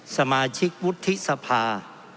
สมาชิกวุฒิสภา